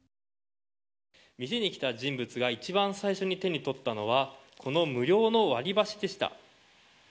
店に来た人物が一番最初に手に取ったのはこの無料の割り箸でした。